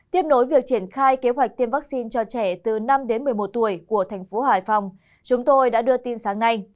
tiếp nối việc triển khai kế hoạch tiêm vaccine cho trẻ từ năm đến một mươi một tuổi của thành phố hải phòng chúng tôi đã đưa tin sáng nay